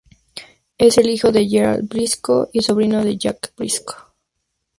Él es el hijo de Gerald Brisco y sobrino de Jack Brisco.